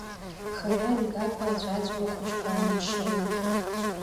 Хара имгакәа аӡәаӡәала ахәыҷқәа ааҩнашылеит.